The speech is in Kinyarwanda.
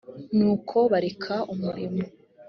n uko bareka umurimo